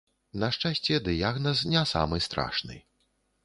На шчасце, дыягназ не самы страшны.